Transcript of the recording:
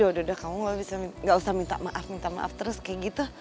eh udah udah kamu gak usah minta maaf terus kayak gitu